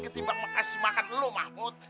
ketimbang kasih makan low mahmud